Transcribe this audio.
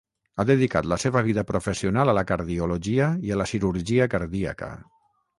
Ha dedicat la seva vida professional a la Cardiologia i a la Cirurgia Cardíaca.